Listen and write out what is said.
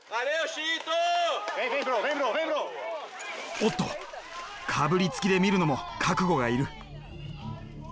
おっとかぶりつきで見るのも覚悟がいる。